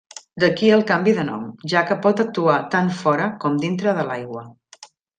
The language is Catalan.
D'aquí el canvi de nom, ja que pot actuar tant fora com dintre de l'aigua.